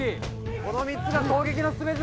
この３つが攻撃の全てだ！